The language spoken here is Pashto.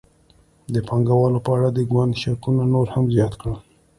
د پانګوالو په اړه د ګوند شکونه نور هم زیات کړل.